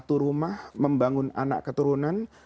satu rumah membangun anak keturunan